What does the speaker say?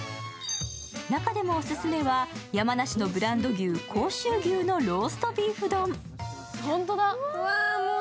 中でもオススメは、山梨のブランド牛・甲州牛のローストビーフ丼。